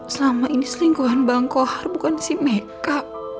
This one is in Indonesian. selama ini selingkuhan bang kohar bukan si meka